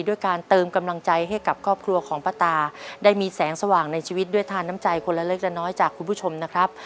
ด้วยการเติมกำลังใจให้กับครอบครัวของป้าตาได้มีแสงสว่างในชีวิตด้วยทานน้ำใจคนละเล็กละน้อยจากคุณผู้ชมนะครับ